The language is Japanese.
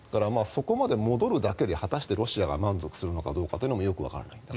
そこまで戻るだけで果たしてロシアが満足するのかどうかもよくわからない。